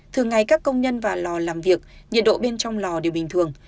thường ngày các công nhân vào lò làm việc nhiệt độ bên trong lò đều bình thường